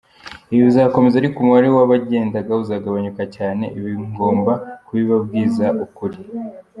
Ibi bizakomeza ariko umubare w’abagendaga uzagabanyuka cyane, ibi ngomba kubibabwiza ukuri.